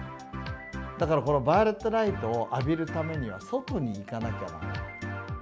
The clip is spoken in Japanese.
だからこのバイオレットライトを浴びるためには、外に行かなきゃならない。